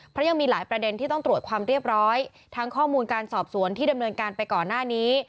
เพราะยังมีหลายประเด็นที่ต้องตรวจความเรียบร้อยทั้งข้อมูลการสอบสวนที่ดำเนินการไปก่อนหน้านี้